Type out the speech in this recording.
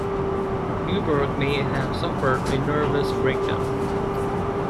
Neuburg may have suffered a nervous breakdown.